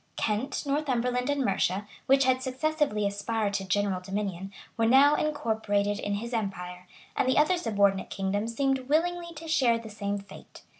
[] Kent, Northumberland, and Mercia, which had successively aspired to general dominion, were now incorporated in his empire; and the other subordinate kingdoms seemed willingly to share the same fate.